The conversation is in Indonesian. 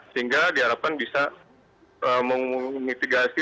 sehingga diharapkan bisa mengitigasi